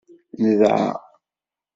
Nedɛa.